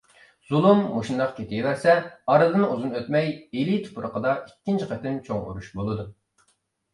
زۇلۇم مۇشۇنداق كېتىۋەرسە ئارىدىن ئۇزۇن ئۆتمەي، ئىلى تۇپرىقىدا ئىككىنچى قېتىم چوڭ ئۇرۇش بولىدۇ.